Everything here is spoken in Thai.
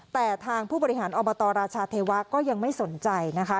แต่ทางผู้บริหารอบตราชาเทวะก็ยังไม่สนใจนะคะ